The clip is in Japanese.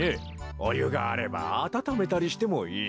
おゆがあればあたためたりしてもいい。